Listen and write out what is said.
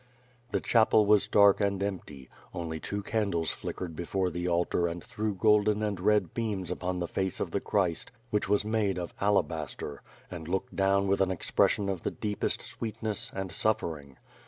The chapel was dark and empty; only two candles flickered before the altar and threw golden and red beams upon the face of the Christ, which was made of alabaster, and looked down with an ex pression of the deepest sweetness and suffering.